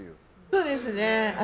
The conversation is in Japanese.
そうですね。